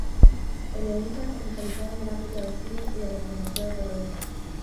Periodista, especializado en el ámbito del cine y de la información económica.